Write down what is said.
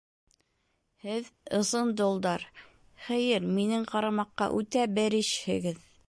Һеҙ — ысын долдар, хәйер, минең ҡарамаҡҡа — үтә бер ишһегеҙ.